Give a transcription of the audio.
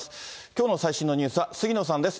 きょうの最新のニュースは杉野さんです。